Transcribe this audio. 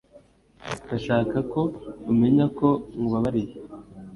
Ndashaka ko umenya ko nkubabariye.